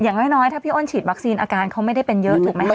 อย่างน้อยถ้าพี่อ้นฉีดวัคซีนอาการเขาไม่ได้เป็นเยอะถูกไหมคะ